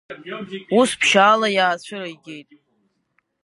Ус, ԥшьаала иаацәыригеит…